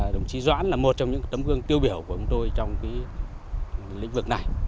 đồng chí doãn là một trong những tấm gương tiêu biểu của chúng tôi trong lĩnh vực này